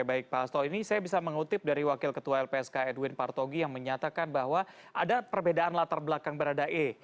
baik pak hasto ini saya bisa mengutip dari wakil ketua lpsk edwin partogi yang menyatakan bahwa ada perbedaan latar belakang berada e